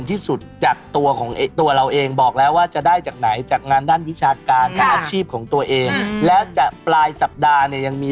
ผู้ที่เกิดเหลือนเบสายนในช่วงนี้ดี